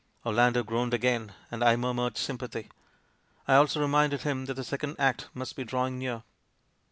Orlando groaned again, and I murmured sym pathy. I also reminded him that the second act must be drawing near.